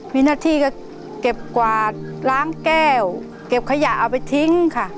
มีหน้าที่ก็เก็บกวาดล้างแก้วเก็บขยะเอาไปทิ้งค่ะ